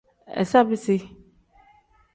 Iza bisi.